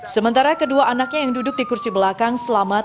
sementara kedua anaknya yang duduk di kursi belakang selamat